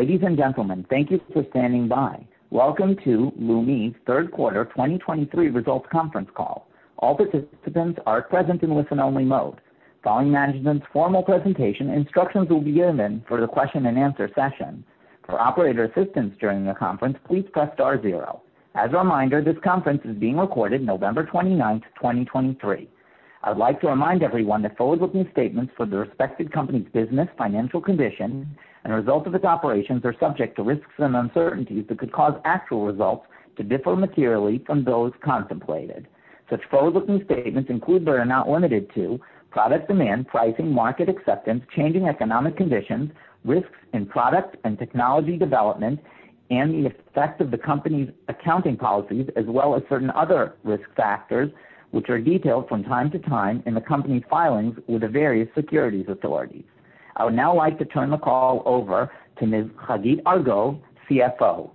Ladies and gentlemen, thank you for standing by. Welcome to Leumi's third quarter 2023 results conference call. All participants are present in listen-only mode. Following management's formal presentation, instructions will be given for the question and answer session. For operator assistance during the conference, please press star zero. As a reminder, this conference is being recorded, November 29, 2023. I'd like to remind everyone that forward-looking statements for the respective company's business, financial condition, and results of its operations are subject to risks and uncertainties that could cause actual results to differ materially from those contemplated. Such forward-looking statements include, but are not limited to, product demand, pricing, market acceptance, changing economic conditions, risks in product and technology development, and the effect of the company's accounting policies, as well as certain other risk factors, which are detailed from time to time in the company's filings with the various securities authorities. I would now like to turn the call over to Ms. Hagit Argov, CFO.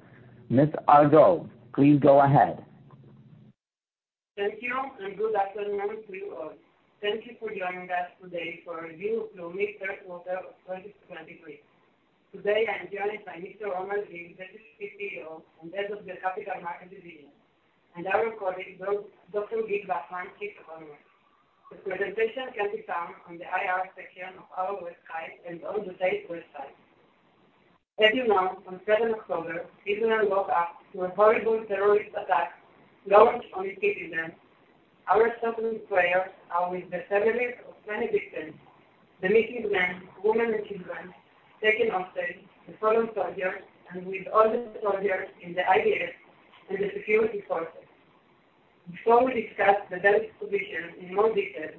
Ms. Argov, please go ahead. Thank you, and good afternoon to you all. Thank you for joining us today for a review of Leumi's third quarter of 2023. Today, I'm joined by Mr. Omer Ziv, Deputy CEO, and Head of the Capital Markets Division, and our colleague, Dr. Gil Bufman, Chief Economist. This presentation can be found on the IR section of our website and on the TASE website. As you know, on 7 October, Israel woke up to a horrible terrorist attack launched on its citizens. Our thoughts and prayers are with the families of many victims, the missing men, women, and children, taken hostage, the fallen soldiers, and with all the soldiers in the IDF and the security forces. Before we discuss the bank's position in more detail,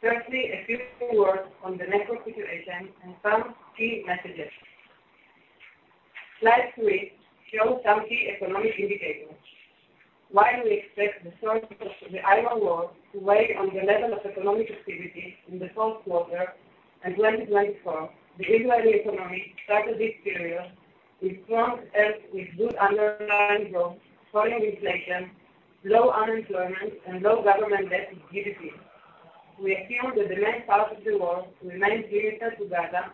firstly, a few words on the macro situation and some key messages. Slide three shows some key economic indicators. While we expect the start of the Iron War to weigh on the level of economic activity in the fourth quarter and 2024, the Israeli economy started this period with strong health, with good underlying growth, falling inflation, low unemployment, and low government debt to GDP. We assume that the next part of the war remains limited to Gaza,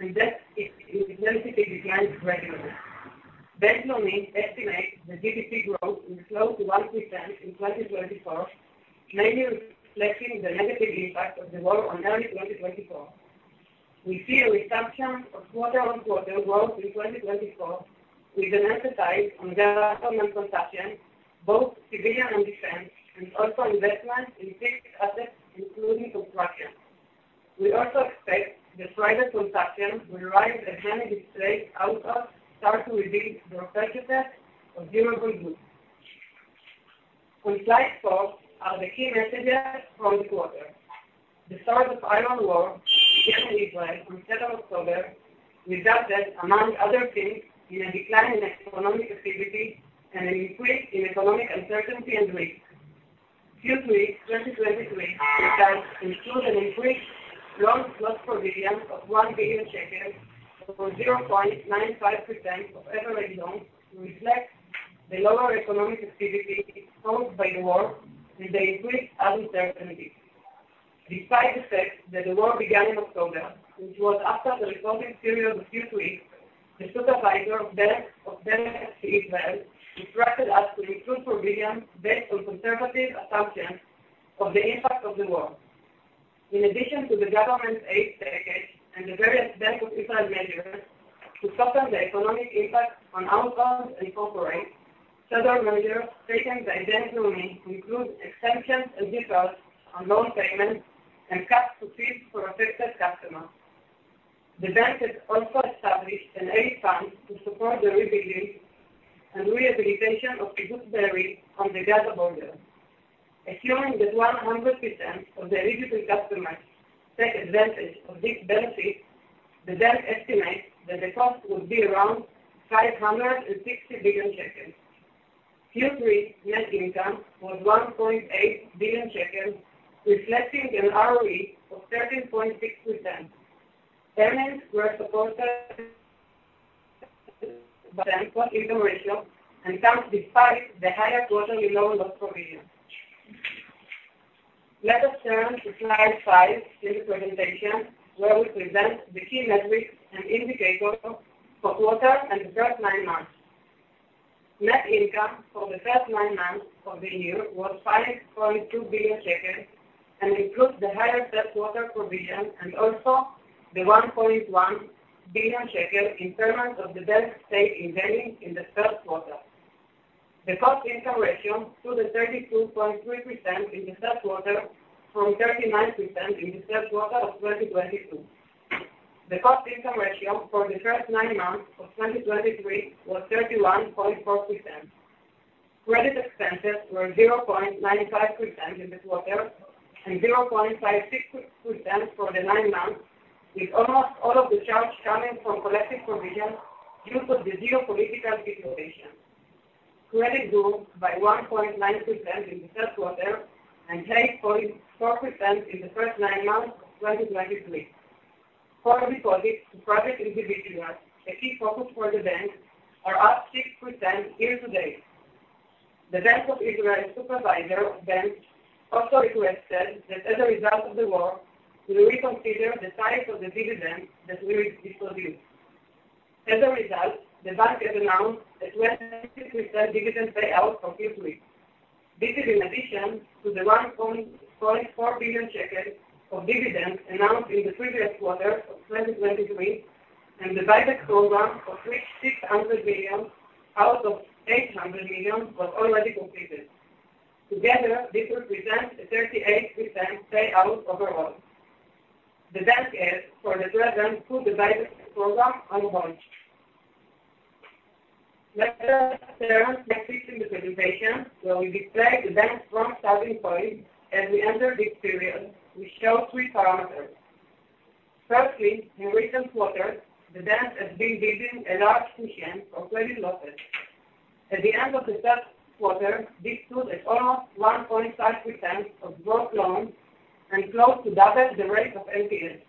and that its intensity declines gradually. Based on these estimates, the GDP growth will slow to 1% in 2024, mainly reflecting the negative impact of the war on early 2024. We see a resumption of quarter-on-quarter growth in 2024, with an emphasis on government consumption, both civilian and defense, and also investment in fixed assets, including construction. We also expect that private consumption will rise as any constraints out of start to reduce the purchases of durable goods. On slide four are the key messages from the quarter. The start of Iron War began in Israel on 7th October, resulted, among other things, in a decline in economic activity and an increase in economic uncertainty and risk. Q3 2023 includes an increased loan loss provision of 1 billion shekels, or 0.95% of average loans, to reflect the lower economic activity caused by the war and the increased uncertainty. Despite the fact that the war began in October, which was after the reporting period of Q3, the Supervisor of Banks in Israel instructed us to include provisions based on conservative assumptions of the impact of the war. In addition to the government's aid package and the various Bank of Israel measures to soften the economic impact on households and corporates, several measures taken by the Bank Leumi include extensions and discounts on loan payments and caps to fees for affected customers. The bank has also established an aid fund to support the rebuilding and rehabilitation of Kibbutz Be'eri on the Gaza border. Assuming that 100% of the eligible customers take advantage of this benefit, the bank estimates that the cost would be around 560 billion shekels. Q3 net income was 1.8 billion shekels, reflecting an ROE of 13.6%. Earnings were supported by equity income ratio and comes despite the higher quarterly loan loss provision. Let us turn to slide five in the presentation, where we present the key metrics and indicators for the quarter and the first nine months. Net income for the first nine months of the year was 5.2 billion shekels, and includes the higher third quarter provision and also the 1.1 billion shekels impairment of the bank's stake in Valley in the third quarter. The cost-income ratio to the 32.3% in the third quarter, from 39% in the third quarter of 2022. The cost-income ratio for the first nine months of 2023 was 31.4%. Credit expenses were 0.95% in this quarter and 0.56% for the nine months, with almost all of the charge coming from collective provisions due to the geopolitical situation. Credit grew by 1.9% in the third quarter and 8.4% in the first nine months of 2023. Core deposits to private individuals, a key focus for the bank, are up 6% year to date. The Bank of Israel, supervisor of banks, also requested that as a result of the war, we reconsider the size of the dividend that we proposed. As a result, the bank has announced a 26% dividend payout for this week. This is in addition to the 1.4 billion shekels of dividend announced in the previous quarter of 2023, and the buyback program of which 600 million out of 800 million was already completed. Together, this represents a 38% payout overall. The bank is for the program through the buyback program on hold. Let's turn next to the presentation, where we display the bank's strong starting point. As we enter this period, we show three parameters. Firstly, in recent quarters, the bank has been reserving a large portion of credit losses. At the end of the third quarter, this stood at almost 1.5% of gross loans and close to double the rate of NPLs.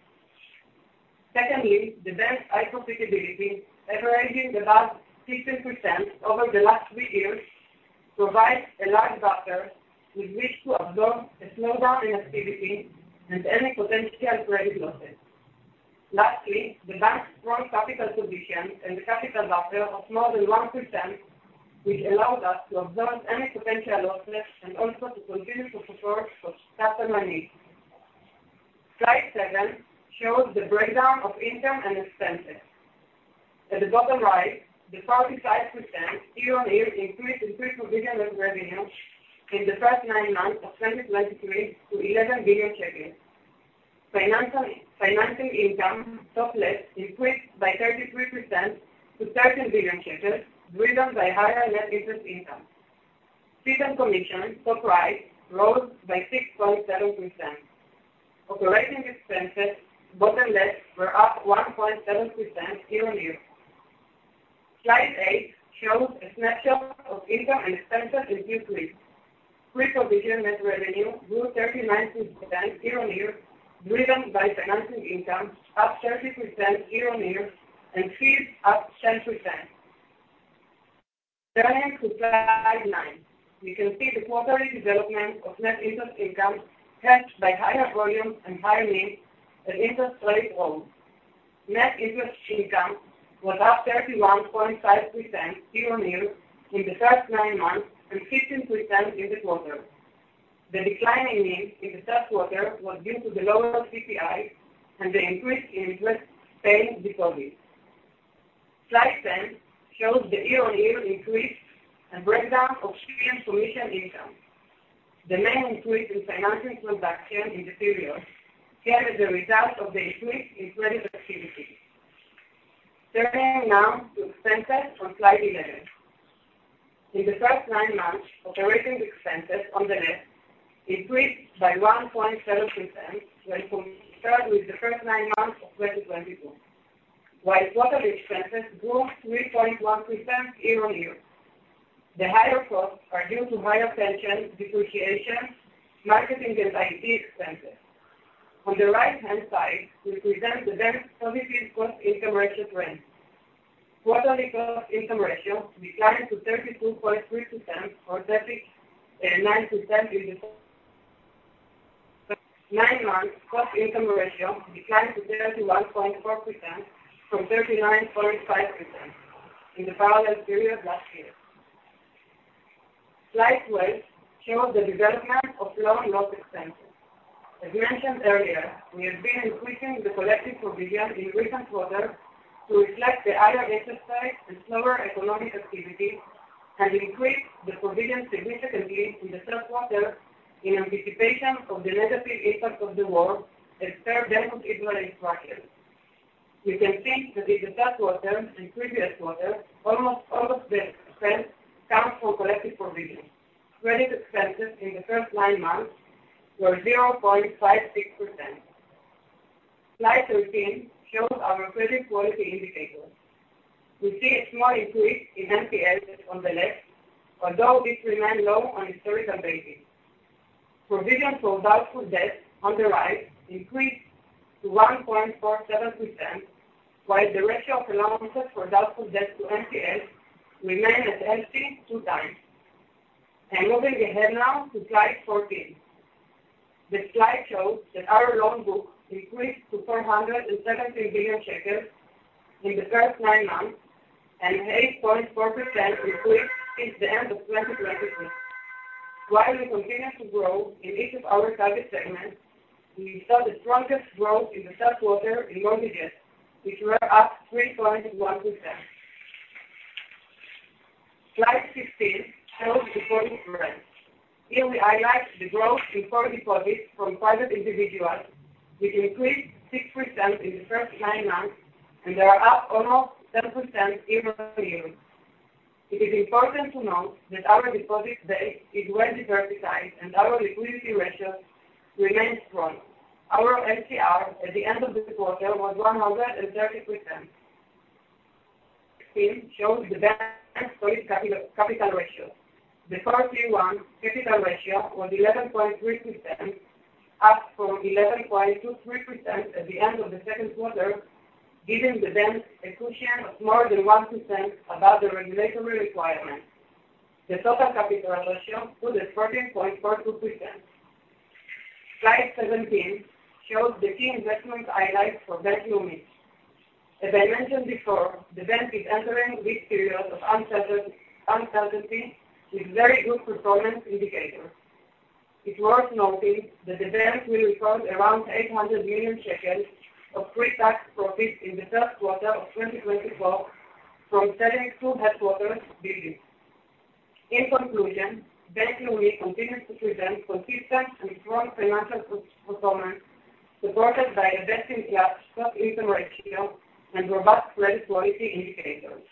Secondly, the bank's high profitability, averaging about 60% over the last three years, provides a large buffer with which to absorb a slowdown in activity and any potential credit losses. Lastly, the bank's strong capital position and the capital buffer of more than 1%, which allowed us to absorb any potential losses and also to continue to support customer needs. Slide seven shows the breakdown of income and expenses. At the bottom right, the 45% year-on-year increase in pre-provision net revenue in the first nine months of 2023 to ILS 11 billion. Financing income, top left, increased by 33% to 13 billion, driven by higher net interest income. Fees and commission, top right, rose by 6.7%. Operating expenses, bottom left, were up 1.7% year-on-year. Slide eight shows a snapshot of income and expenses in Q3. Pre-provision net revenue grew 39% year-on-year, driven by financing income, up 30% year-on-year, and fees up 10%. Turning to slide nine, you can see the quarterly development of net interest income, helped by higher volumes and higher needs and interest rate growth. Net interest income was up 31.5% year-on-year in the first nine months and 15% in the quarter. The decline in needs in the first quarter was due to the lower CPI and the increase in interest paid before this. Slide 10 shows the year-on-year increase and breakdown of fee and commission income. The main increase in financing transaction in the period came as a result of the increase in credit activity. Turning now to expenses on slide 11. In the first nine months, operating expenses on the left increased by 1.7% when compared with the first nine months of 2022. While total expenses grew 3.1% year-on-year. The higher costs are due to higher pensions, depreciation, marketing and IT expenses. On the right-hand side, we present the bank's cost-income ratio trend. Quarterly cost income ratio declined to 32.3% or 39% in the nine months. Cost-income ratio declined to 31.4% from 39.5% in the parallel period last year. Slide 12 shows the development of loan loss expenses. As mentioned earlier, we have been increasing the collective provision in recent quarters to reflect the higher exercise and slower economic activity, and increased the provision significantly in the third quarter in anticipation of the negative impact of the war and third Bank of Israel instructions. You can see that in the first quarter and previous quarters, almost all of the expense comes from collective provisions. Credit expenses in the first nine months were 0.56%. Slide 13 shows our credit quality indicators. We see a small increase in NPLs on the left, although this remains low on historical basis. Provision for doubtful debt on the right increased to 1.47%, while the ratio of allowances for doubtful debt to NPLs remained at healthy 2x. Moving ahead now to slide 14. The slide shows that our loan book increased to 417 billion shekels in the first nine months, and 8.4% increase since the end of 2022. While we continue to grow in each of our target segments, we saw the strongest growth in the first quarter in mortgages, which were up 3.1%. Slide 16 shows deposit trends. Here we highlight the growth in core deposits from private individuals, which increased 6% in the first nine months, and they are up almost 10% year-on-year. It is important to note that our deposit base is well diversified, and our liquidity ratios remain strong. Our LCR at the end of the quarter was 130%. Slide 16 shows the bank's current capital, capital ratios. The current Tier 1 capital ratio was 11.3% up from 11.23% at the end of the second quarter, giving the bank a cushion of more than 1% above the regulatory requirement. The total capital ratio stood at 14.42%. Slide 17 shows the key investment highlights for Bank Leumi. As I mentioned before, the bank is entering this period of uncertainty with very good performance indicators. It's worth noting that the bank will record around 800 million shekels of pretax profit in the first quarter of 2024 from selling two headquarters buildings. In conclusion, Bank Leumi continues to present consistent and strong financial performance, supported by a decent gap, stock interest ratio, and robust credit quality indicators.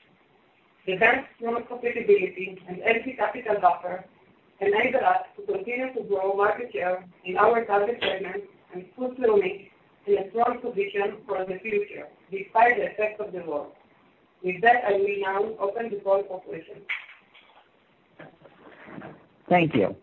The bank's strong profitability and equity capital buffer enable us to continue to grow market share in our target segments and put Leumi in a strong position for the future, despite the effects of the war. With that, I will now open the floor for questions. Thank you.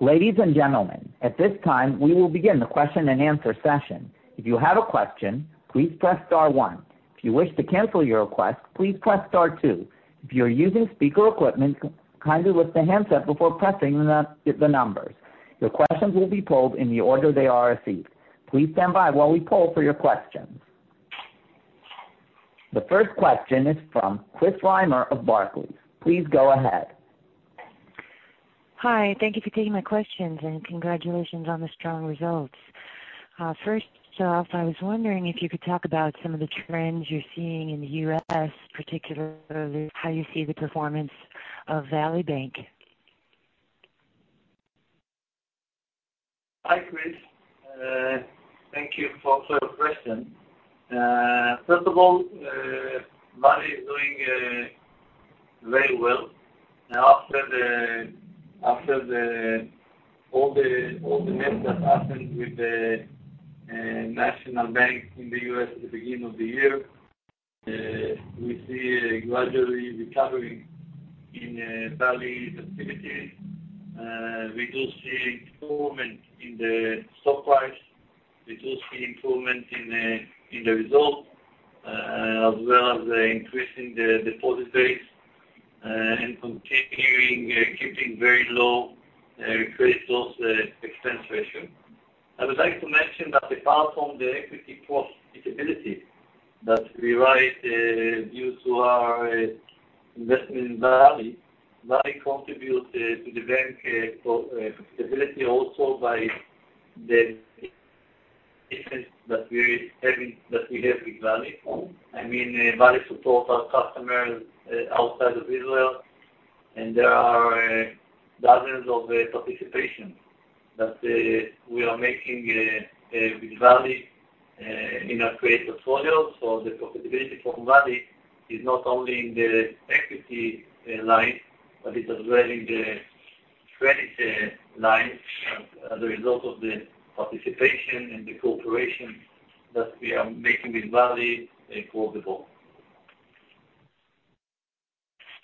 Ladies and gentlemen, at this time, we will begin the question and answer session. If you have a question, please press star one. If you wish to cancel your request, please press star two. If you're using speaker equipment, kindly lift the handset before pressing the numbers. Your questions will be pulled in the order they are received. Please stand by while we pull for your questions. The first question is from Chris Reimer of Barclays. Please go ahead. Hi, thank you for taking my questions, and congratulations on the strong results. First off, I was wondering if you could talk about some of the trends you're seeing in the U.S., particularly how you see the performance of Valley Bank. Hi, Chris, thank you for your question. First of all, Valley is doing very well. Now, after all the mess that happened with the national bank in the US at the beginning of the year, we see a gradually recovering in Valley activity. We do see improvement in the stock price. We do see improvement in the result, as well as increasing the deposit base, and continuing keeping very low credit loss expense ratio. I would like to mention that apart from the equity cost stability that we write due to our investment in Valley, Valley contributes to the bank profitability also by the business that we having, that we have with Valley from. I mean, Valley supports our customers outside of Israel, and there are dozens of participation that we are making with Valley in our credit portfolio. So the profitability for Valley is not only in the equity line, but it is really the credit line, as a result of the participation and the cooperation that we are making with Valley across the board.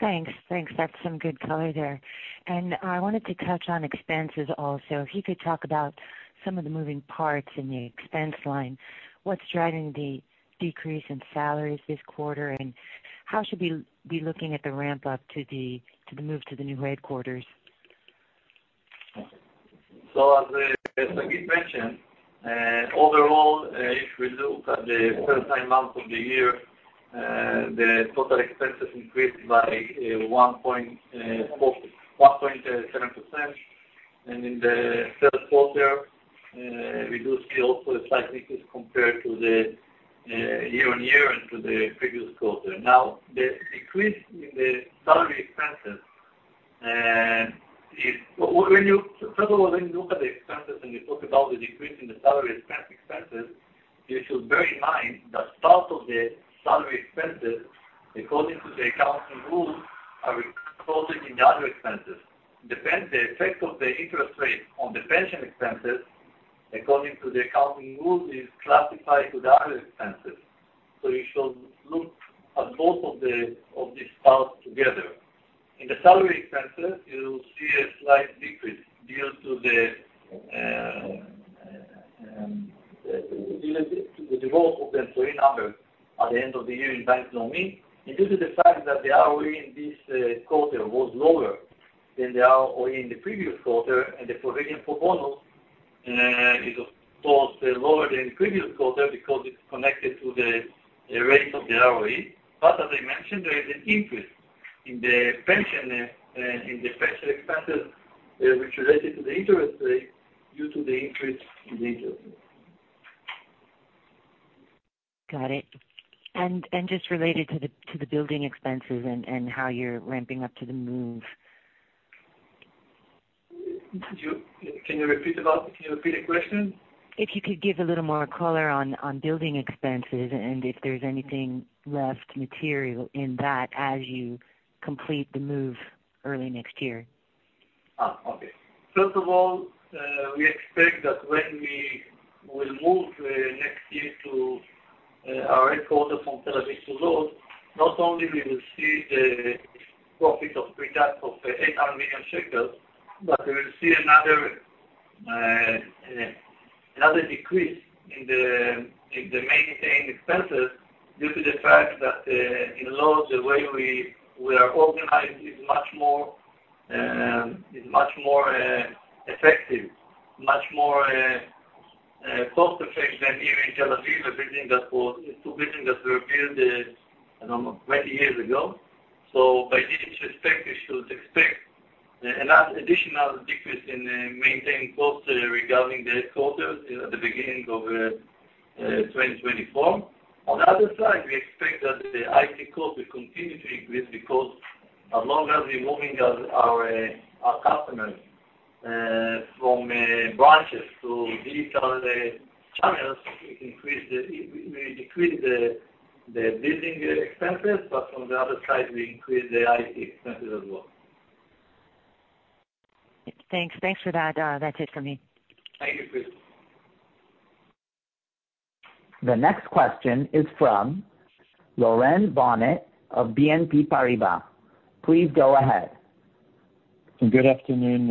Thanks. Thanks. That's some good color there. And I wanted to touch on expenses also. If you could talk about some of the moving parts in the expense line, what's driving the decrease in salaries this quarter, and how should we be looking at the ramp up to the move to the new headquarters? So as Hagit mentioned, overall, if we look at the first nine months of the year, the total expenses increased by 1.7%, and in the third quarter, we do see also a slight decrease compared to the year-on-year and to the previous quarter. Now, the decrease in the salary expenses is. When you, first of all, when you look at the expenses and you talk about the decrease in the salary expense, expenses, you should bear in mind that part of the salary expenses, according to the accounting rules, are included in the other expenses. Depends the effect of the interest rate on the pension expenses, according to the accounting rules, is classified to the other expenses. So you should look at both of the, of these parts together. In the salary expenses, you see a slight decrease due to the downturn of the employee number at the end of the year in Bank Leumi, and due to the fact that the ROE in this quarter was lower than the ROE in the previous quarter, and the provision for bonus is, of course, lower than the previous quarter because it's connected to the rate of the ROE. But as I mentioned, there is an increase in the pension expenses, which related to the interest rate due to the increase in the interest rate. Got it. And just related to the building expenses and how you're ramping up to the move? Can you repeat the question? If you could give a little more color on building expenses, and if there's anything left material in that as you complete the move early next year? Ah, okay. First of all, we expect that when we will move next year to our headquarters from Tel Aviv to Lod, not only we will see the pre-tax profit of 800 million shekels, but we will see another decrease in the maintenance expenses due to the fact that in Lod, the way we are organized is much more cost-effective than here in Tel Aviv, two buildings that were built, I don't know, 20 years ago. So in this respect, you should expect an additional decrease in maintenance costs regarding the headquarters at the beginning of 2024. On the other side, we expect that the IT cost will continue to increase, because as long as we're moving our customers from branches to digital channels, we decrease the building expenses, but on the other side, we increase the IT expenses as well. Thanks. Thanks for that. That's it for me. Thank you, Chris. The next question is from Laurent Bonnet of BNP Paribas. Please go ahead. Good afternoon,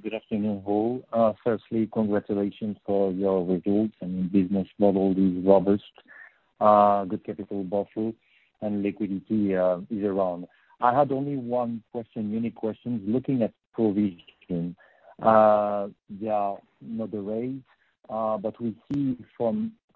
good afternoon, all. Firstly, congratulations for your results, and your business model is robust. Good capital buffer and liquidity is around. I had only one question, unique question. Looking at provision, there are not the rates, but we see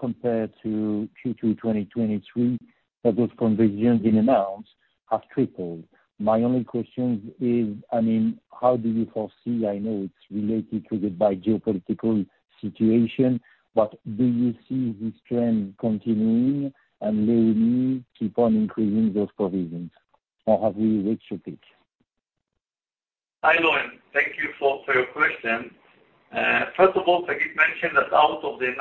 compared to Q2 2023, that those provisions in amounts have tripled. My only question is, I mean, how do you foresee, I know it's related to the geopolitical situation, but do you see this trend continuing and Leumi keep on increasing those provisions, or have we reached a peak? Hi, Laurent. Thank you for your question. First of all, Hagit mentioned that out of the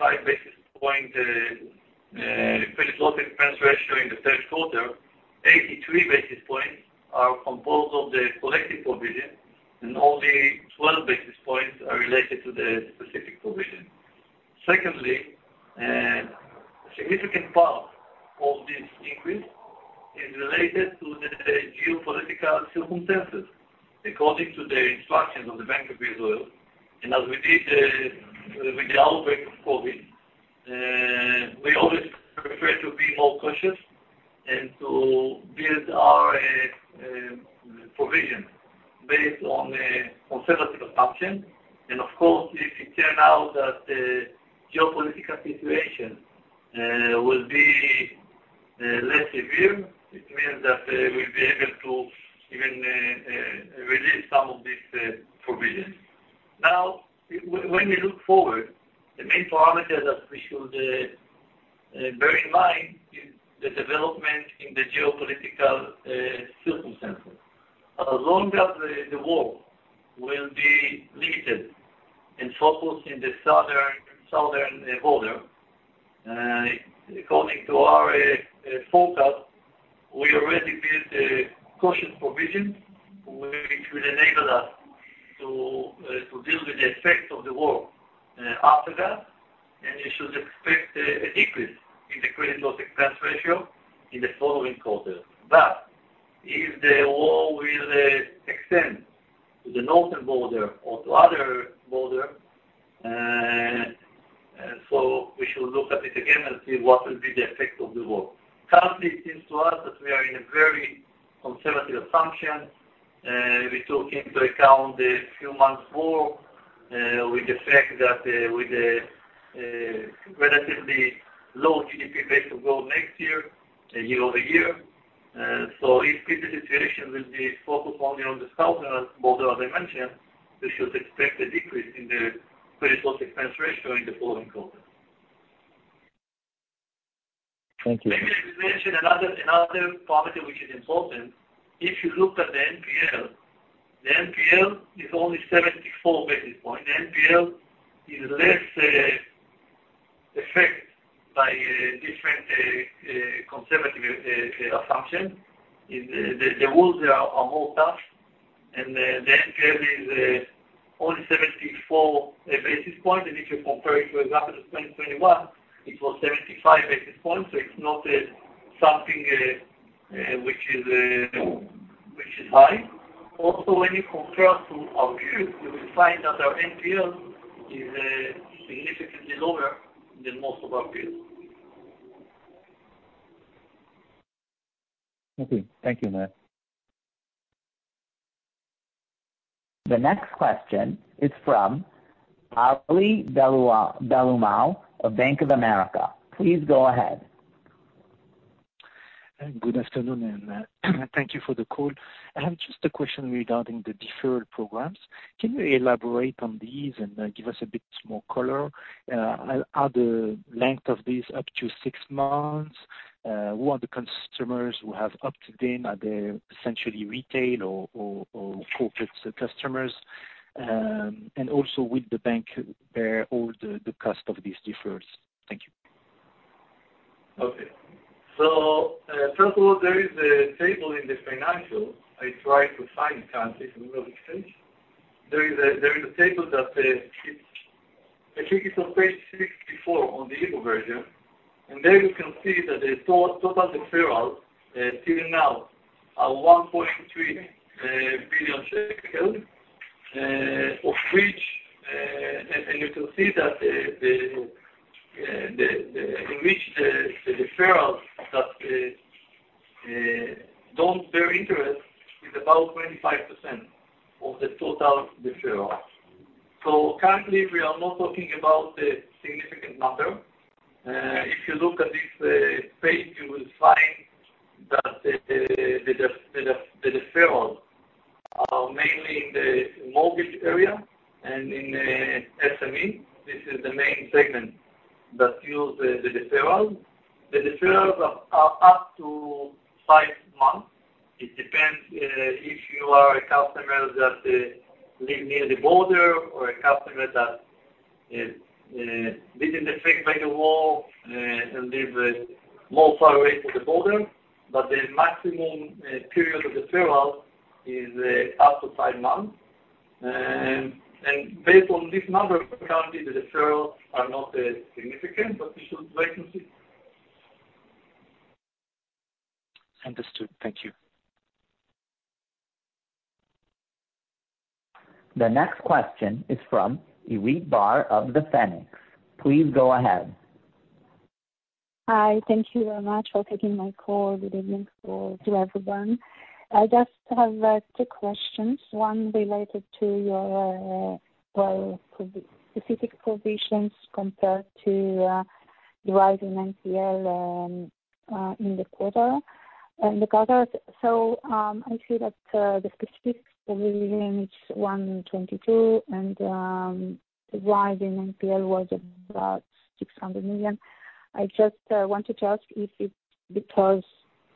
95-basis point credit loss expense ratio in the third quarter, 83 basis points are composed of the collective provision, and only 12 basis points are related to the specific provision. Secondly, a significant part of this increase is related to the geopolitical circumstances. According to the instructions of the Bank of Israel, and as we did with the outbreak of COVID, we always prefer to be more cautious and to build our provision based on a conservative assumption. And of course, if it turns out that the geopolitical situation will be less severe, it means that we'll be able to even release some of these provisions. Now, when we look forward, the main parameter that we should bear in mind is the development in the geopolitical circumstances. As long as the war will be limited and focused in the southern border, according to our focus, we already built a caution provision, which will enable us to deal with the effects of the war. After that, and you should expect a decrease in the credit loss expense ratio in the following quarter. But if the war will extend to the northern border or to other border, so we should look at it again and see what will be the effect of the war. Currently, it seems to us that we are in a very conservative assumption, we took into account a few months more, with the fact that, with the, relatively low GDP base to go next year, year-over-year. So if this situation will be focused only on the southern border, as I mentioned, we should expect a decrease in the credit loss expense ratio in the following quarter. Thank you. Let me mention another parameter, which is important. If you look at the NPL, the NPL is only 74 basis points. NPL is less affected by different conservative assumption. In the rules are more tough, and the NPL is only 74 basis points. And if you compare it, for example, to 2021, it was 75 basis points, so it's not something which is high. Also, when you compare to our peers, you will find that our NPL is significantly lower than most of our peers. Okay. Thank you, Omer. The next question is from Ali Dhaloomal of Bank of America. Please go ahead. Good afternoon, and thank you for the call. I have just a question regarding the deferred programs. Can you elaborate on these and give us a bit more color? Are the length of these up to six months? Who are the consumers who have upped them? Are they essentially retail or corporate customers? And also, will the bank bear all the cost of these deferrals? Thank you. Okay. So, first of all, there is a table in the financial. I try to find it currently from this page. There is a table that, it, I think it's on page 64 on the English version, and there you can see that the total deferrals till now are 1.3 billion shekels, of which, and you can see that the, the, in which the deferrals that don't bear interest is about 25% of the total deferrals. So currently, we are not talking about a significant number. If you look at this page, you will find that the deferrals are mainly in the mortgage area and in SME. This is the main segment that use the deferrals. The deferrals are up to five months. It depends if you are a customer that live near the border or a customer that live in the affected by the war and live more far away from the border. But the maximum period of deferral is up to five months. And based on this number, currently, the deferrals are not significant, but we should wait and see. Understood. Thank you. The next question is from Irit Bar of The Phoenix. Please go ahead. Hi, thank you very much for taking my call. Good evening to everyone. I just have two questions, one related to your well, specific provisions compared to rising NPL in the quarter, in the Gaza. So, I see that the specific provision is 122 million, and the rise in NPL was about 600 million. I just wanted to ask if it's because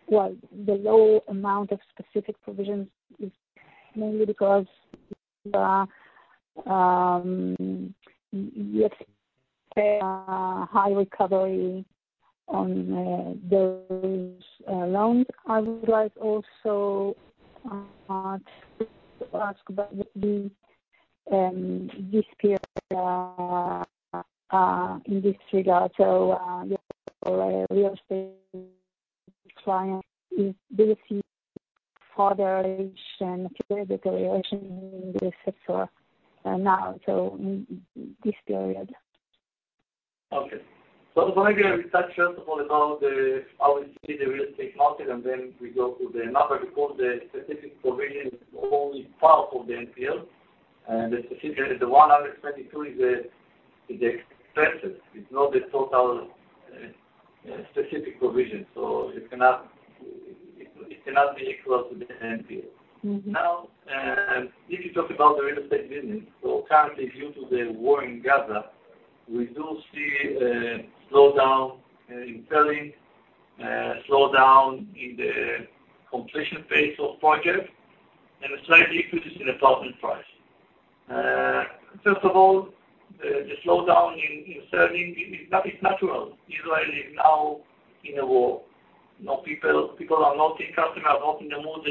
well, the low amount of specific provisions is mainly because you expect high recovery on those loans. I would like also to ask about this period in this regard, so real estate client, do you see further issue and clear deterioration in the sector now, so in this period? Okay. So maybe I will touch first of all about how we see the real estate market, and then we go to the number, because the specific provision is only part of the NPL, and the specific, the 122 is the expenses. It's not the total specific provision, so it cannot be equal to the NPL. Now, if you talk about the real estate business, so currently, due to the war in Gaza, we do see a slowdown in selling, slowdown in the completion phase of project, and a slight increase in apartment price. First of all, the slowdown in selling, that is natural. Israel is now in a war. You know, people are not, the customers are not in the mood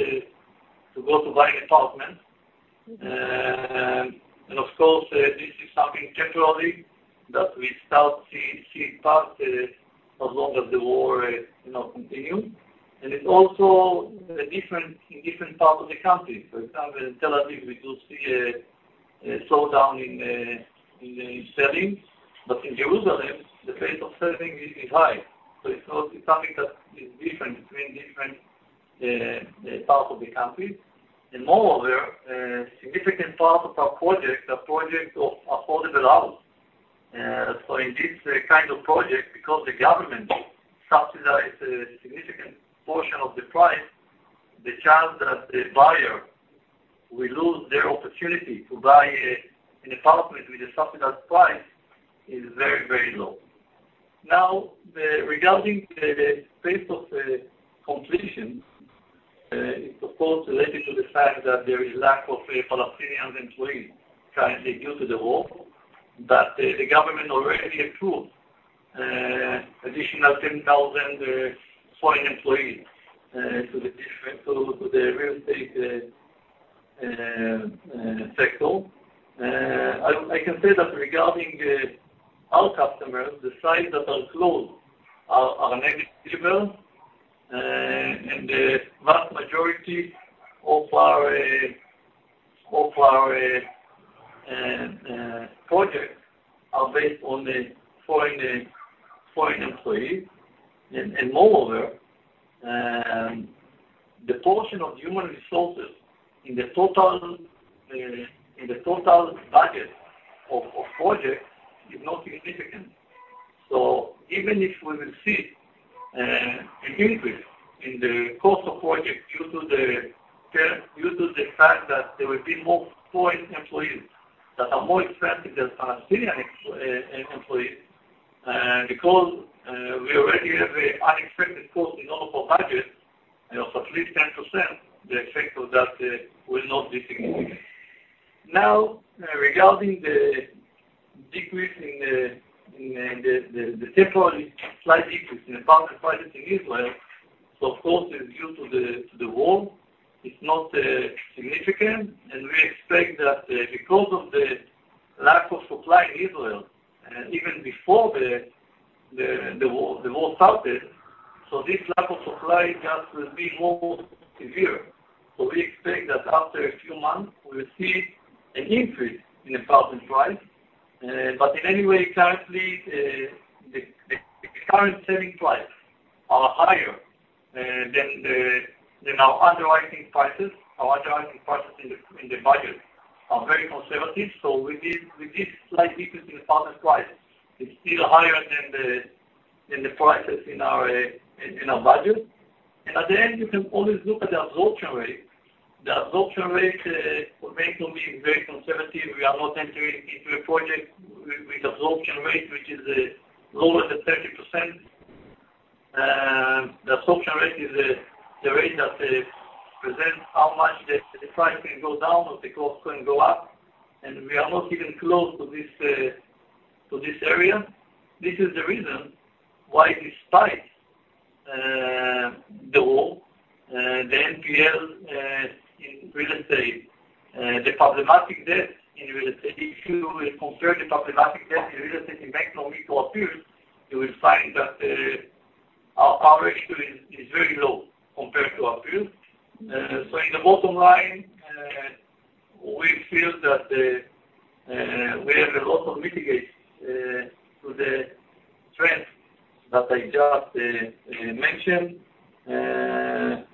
to go to buy an apartment. And of course, this is something temporarily that we start to see as part as long as the war, you know, continues. And it's also a difference in different parts of the country. For example, in Tel Aviv, we do see a slowdown in the selling, but in Jerusalem, the pace of selling is high. So it's not something that is different between different parts of the country. And moreover, a significant part of our projects are projects of affordable housing. So in this kind of project, because the government subsidizes a significant portion of the price, the chance that the buyer will lose their opportunity to buy an apartment with a subsidized price is very, very low. Now, Regarding the pace of completion, it's of course related to the fact that there is lack of Palestinian employees currently due to the war, but the government already approved additional 10,000 foreign employees to the different to the real estate sector. I can say that regarding our customers, the sites that are closed are negligible, and the vast majority of our projects are based on the foreign employees. Moreover, the portion of human resources in the total budget of projects is not significant. So even if we will see an increase in the cost of project due to the fact that there will be more foreign employees that are more expensive than Palestinian employees, because we already have an unexpected cost in all of our budget, you know, of at least 10%, the effect of that will not be significant. Now, regarding the temporary slight decrease in apartment prices in Israel, so of course, is due to the war. It's not significant, and we expect that because of the lack of supply in Israel, and even before the war started, so this lack of supply just will be more severe. So we expect that after a few months, we will see an increase in apartment price. But in any way, currently, the current selling price are higher than our underwriting prices. Our underwriting prices in the budget are very conservative, so with this slight decrease in apartment price, it's still higher than the prices in our budget. And at the end, you can always look at the absorption rate. The absorption rate will make to be very conservative. We are not entering into a project with absorption rate which is lower than 30%. The absorption rate is the rate that presents how much the price can go down or the cost can go up, and we are not even close to this area. This is the reason why despite the war, the NPL in real estate, the problematic debt in real estate, if you will compare the problematic debt in real estate in Bank Leumi to our peers, you will find that our power actually is very low compared to our peers. So in the bottom line, we feel that we have a lot to mitigate to the strength that I just mentioned.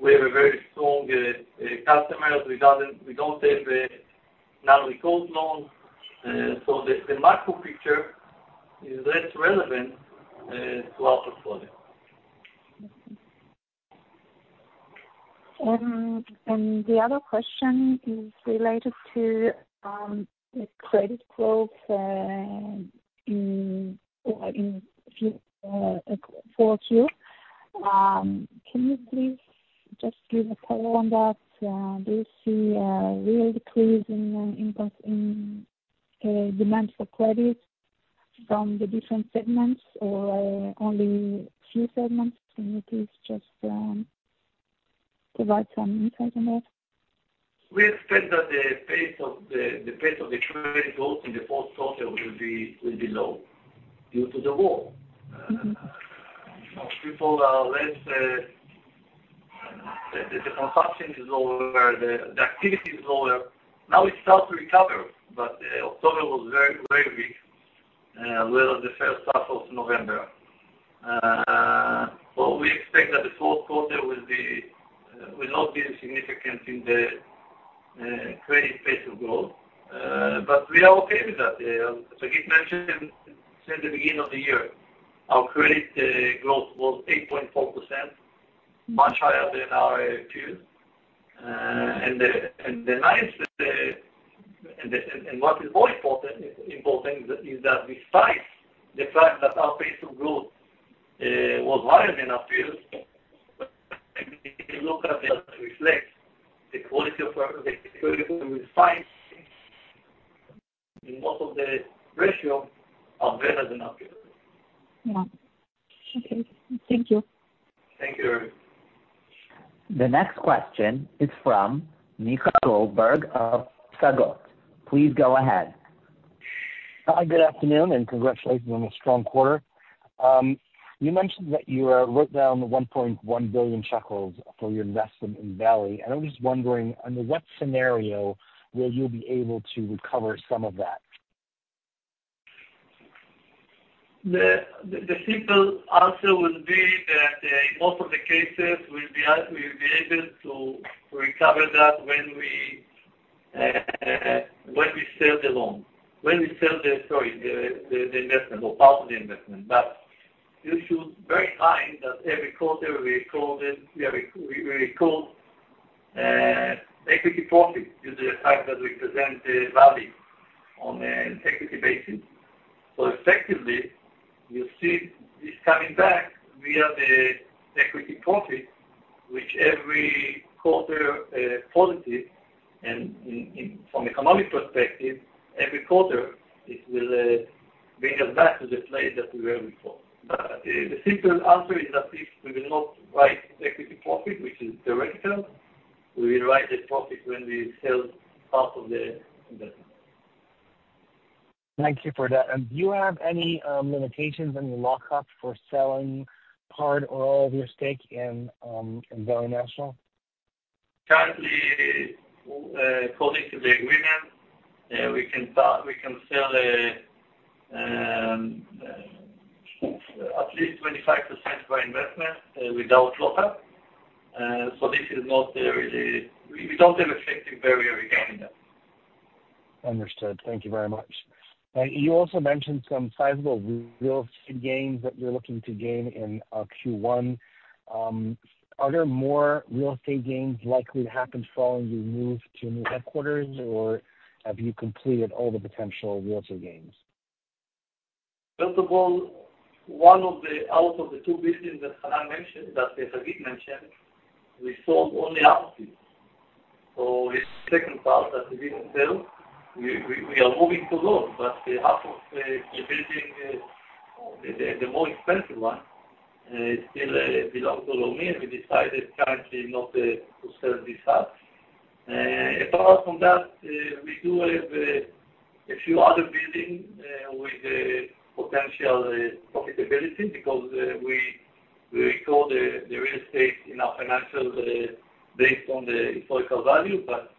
We have a very strong customers. We don't take not only cold loans, so the macro picture is less relevant to our portfolio. And the other question is related to the credit growth in Q4. Can you please just give a color on that? Do you see a real decrease in impact in demand for credit from the different segments or only few segments? Can you please just provide some insights on that? We expect that the pace of the credit growth in the fourth quarter will be low due to the war. People are less, the consumption is lower, the activity is lower. Now, it starts to recover, but October was very, very weak, well, the first half of November. We expect that the fourth quarter will not be significant in the credit pace of growth, but we are okay with that. It mentioned since the beginning of the year, our credit growth was 8.4%, much higher than our peers. The nice, and what is more important, is that besides the fact that our pace of growth was higher than our peers, if you look at that reflect, the quality of our, despite in most of the ratio, are better than our peers. Yeah. Okay, thank you. Thank you. The next question is from Micha Goldberg of Psagot. Please go ahead. Hi, good afternoon, and congratulations on the strong quarter. You mentioned that you wrote down 1.1 billion shekels for your investment in Valley, and I was just wondering, under what scenario will you be able to recover some of that? The simple answer would be that in most of the cases, we'll be able to recover that when we sell the loan. When we sell the. Sorry, the investment or part of the investment. But you should bear in mind that every quarter, we record equity profit due to the fact that we present the value on an equity basis. So effectively, you see this coming back via the equity profit, which every quarter is positive and from an economic perspective, every quarter, it will bring us back to the place that we were before. But the simple answer is that if we will not write equity profit, which is quarterly, we will write the profit when we sell part of the investment. Thank you for that. Do you have any limitations on your lockup for selling part or all of your stake in Valley National? Currently, according to the agreement, we can start, we can sell, at least 25% by investment, without lockup. So this is not really, we, we don't have effective barrier regarding that. Understood. Thank you very much. And you also mentioned some sizable real estate gains that you're looking to gain in Q1. Are there more real estate gains likely to happen following the move to new headquarters, or have you completed all the potential real estate gains? First of all, one of the, out of the two businesses that Hanan mentioned, that Hagit mentioned, we sold only half. So this second part that we didn't sell, we are moving to loan, but half of the building, the more expensive one, still belongs to Leumi, and we decided currently not to sell this half. Apart from that, we do have a few other building with the potential profitability, because we record the real estate in our financial based on the historical value, but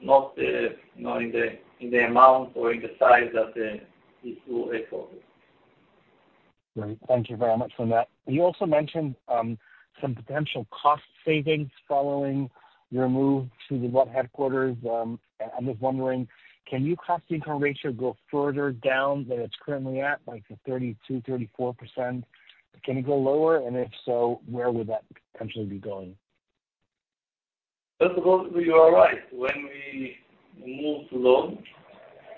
not, you know, in the amount or in the size that this will echo. Great. Thank you very much for that. You also mentioned some potential cost savings following your move to the new headquarters. I'm just wondering, can your cost income ratio go further down than it's currently at, like the 32%-34%? Can it go lower, and if so, where would that potentially be going? First of all, you are right. When we move to Lod,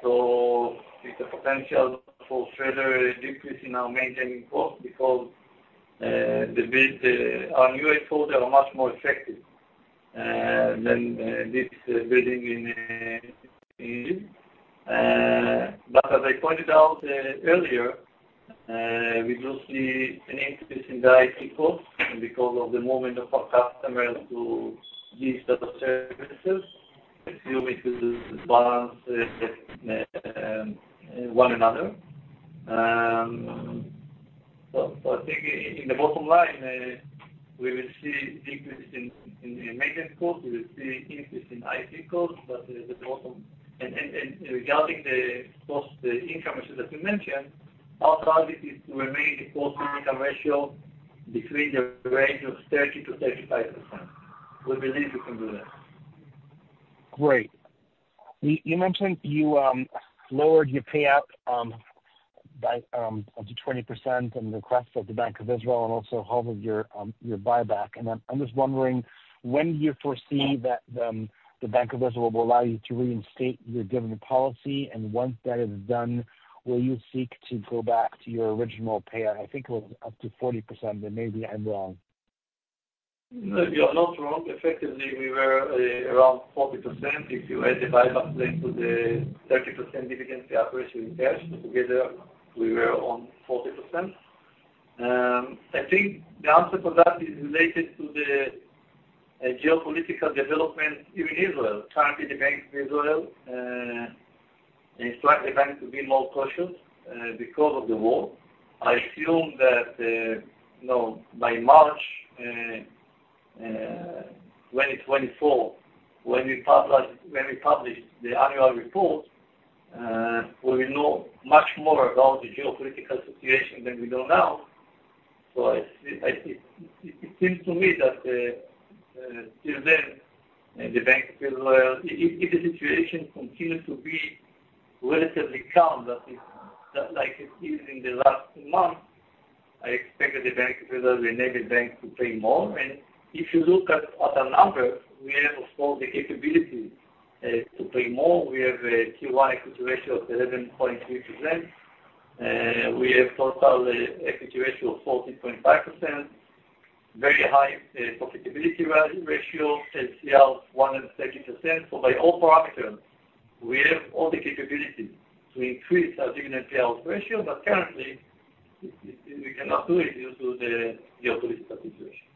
so it's a potential for further decrease in our maintenance cost because our new headquarters are much more effective than this building. But as I pointed out earlier, we do see an increase in the IT cost because of the movement of our customers to these type of services. I assume it will balance one another. So I think in the bottom line, we will see increase in maintenance cost. We will see increase in IT costs, but the bottom... Regarding the cost income, as you mentioned, our target is to remain the cost income ratio between the range of 30%-35%. We believe we can do that. Great. You mentioned you lowered your payout by up to 20% on the request of the Bank of Israel and also halted your buyback. And I'm just wondering, when do you foresee that the Bank of Israel will allow you to reinstate your dividend policy? And once that is done, will you seek to go back to your original payout? I think it was up to 40%, but maybe I'm wrong. No, you're not wrong. Effectively, we were around 40%. If you add the buyback into the 30% dividend payout ratio in cash, together, we were on 40%. I think the answer to that is related to the geopolitical development in Israel. Currently, the Bank of Israel is likely going to be more cautious because of the war. I assume that you know, by March 2024, when we publish the annual report, we will know much more about the geopolitical situation than we know now. So, I see, I think, it seems to me that till then, and the Bank of Israel, if the situation continues to be relatively calm, that is, like it is in the last month, I expect that the Bank of Israel will enable the bank to pay more. And if you look at our numbers, we have all the capabilities to pay more. We have a Tier 1 equity ratio of 11.3%, we have total equity ratio of 14.5%, very high profitability ratio, LCR 130%. So, by all parameters, we have all the capability to increase our dividend payout ratio, but currently we cannot do it due to the geopolitical situation.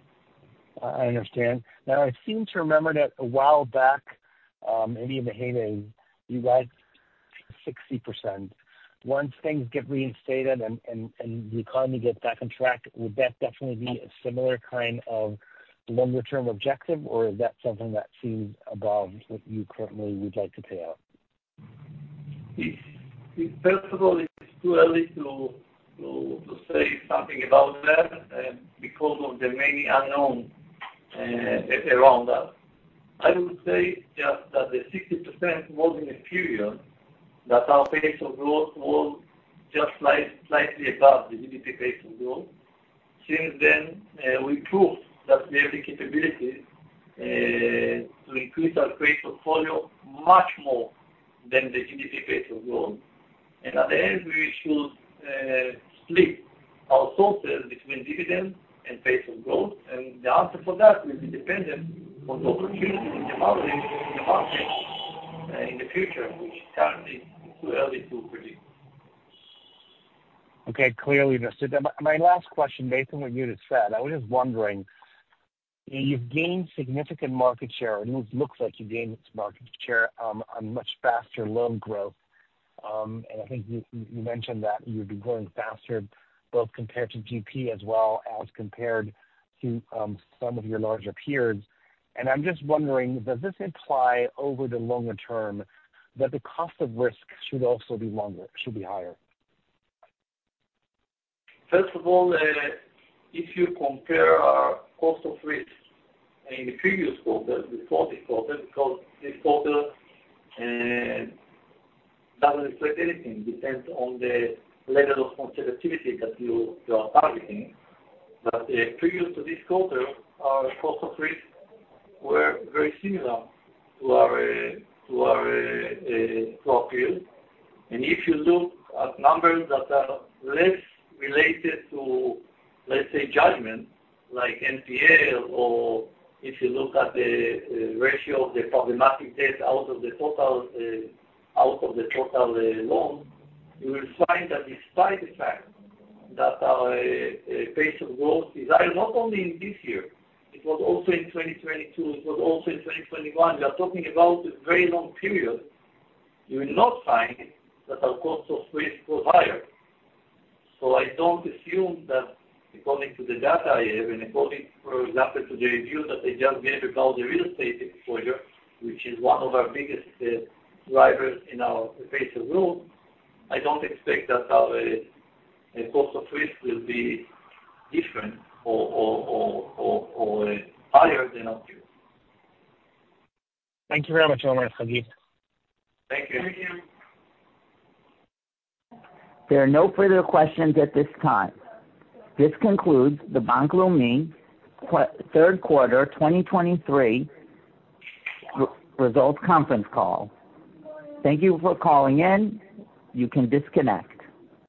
I understand. Now, I seem to remember that a while back, maybe in the heyday, you guys, 60%. Once things get reinstated and the economy gets back on track, would that definitely be a similar kind of longer-term objective, or is that something that seems above what you currently would like to pay out? It's first of all, it's too early to say something about that, because of the many unknown around us. I would say just that the 60% was in a period that our pace of growth was just slightly above the GDP pace of growth. Since then, we proved that we have the capability to increase our pace portfolio much more than the GDP pace of growth. And at the end, we should split our sources between dividend and pace of growth, and the answer for that will be dependent on the opportunity in the market, in the market, in the future, which currently is too early to predict. Okay, clearly. So my last question, based on what you just said, I was just wondering, you've gained significant market share, or it looks like you gained market share, on much faster loan growth. And I think you, you mentioned that you'd be growing faster, both compared to GDP as well as compared to, some of your larger peers. And I'm just wondering, does this imply over the longer term that the cost of risk should also be longer, should be higher? First of all, if you compare our cost of risk in the previous quarter, the fourth quarter, because this quarter doesn't reflect anything, depends on the level of conservativity that you are targeting. But, previous to this quarter, our cost of risk were very similar to our profile. And if you look at numbers that are less related to, let's say, judgment, like NPA, or if you look at the ratio of the problematic debt out of the total loan, you will find that despite the fact that our pace of growth is high, not only in this year, it was also in 2022, it was also in 2021. We are talking about a very long period, you will not find that our cost of risk was higher. I don't assume that according to the data I have, for example, to the review that I just made about the real estate exposure, which is one of our biggest drivers in our pace of growth, I don't expect that our cost of risk will be different or higher than up here. Thank you very much, Omer, Hagit. Thank you. There are no further questions at this time. This concludes the Bank Leumi third quarter 2023 results conference call. Thank you for calling in. You can disconnect.